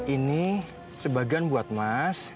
ini sebagian buat mas